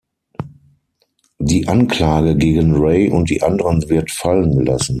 Die Anklage gegen Ray und die anderen wird fallengelassen.